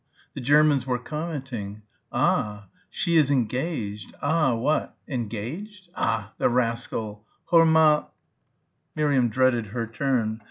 The Germans were commenting, "Ah, she is engaged ah, what en gaged. Ah, the rascal! Hör mal " Miriam dreaded her turn.